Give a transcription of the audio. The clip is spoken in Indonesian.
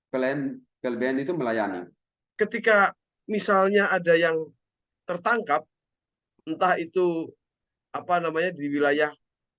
klien klbn itu melayani ketika misalnya ada yang tertangkap entah itu apa namanya di wilayah